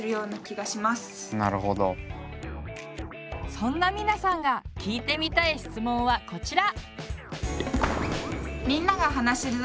そんなミナさんが聞いてみたい質問はこちら！